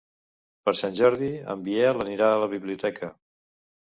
Per Sant Jordi en Biel anirà a la biblioteca.